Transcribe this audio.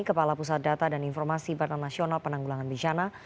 kepala pusat data dan informasi badan nasional penanggulangan bencana